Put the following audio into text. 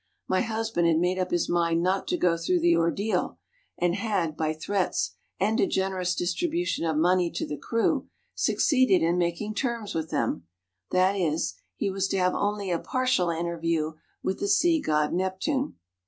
My husband had SKETCHES OF TRAVEL made up his mind not to go through the ordeal, and had, by threats and a generous distribution of money to the crew, suc ceeded in making terms with them ; that is, he was to have only a partial interview with the sea god, Neptune.